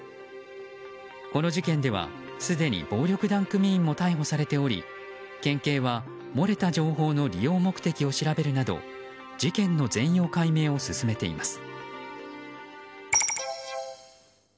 この事件では、すでに暴力団組員も逮捕されており県警は、漏れた情報の利用目的を調べるなど事件の全容解明を進めています。